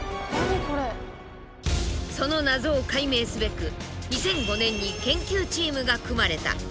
その謎を解明すべく２００５年に研究チームが組まれた。